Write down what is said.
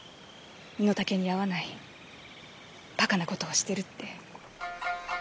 身の丈に合わないバカなことをしてるって。